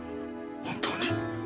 本当に。